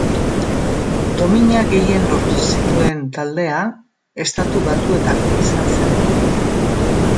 Domina gehien lortu zituen taldea Estatu Batuetakoa izan zen.